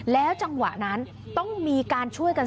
แล้วจังหวะนั้นต้องมีการช่วยกัน